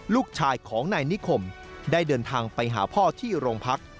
ลูกชายของนายนิคมได้เดินทางไปหาพ่อที่โรงพัก